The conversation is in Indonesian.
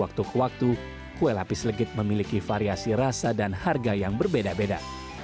waktu ke waktu kue lapis legit memiliki variasi rasa dan harga yang berbeda beda